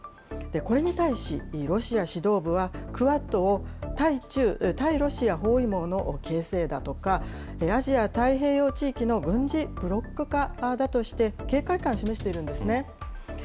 これに対し、ロシア指導部は、クアッドを対中・対ロシアの包囲網の形成だとか、アジア太平洋地域の軍事ブロック化だとして、警戒感、示しているんですね。